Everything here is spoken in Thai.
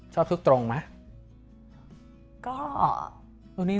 ชอบชุดตรงไหม